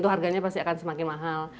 harganya pasti akan semakin mahal